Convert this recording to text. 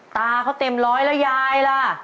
ตาเขาเต็มร้อยแล้วยายล่ะ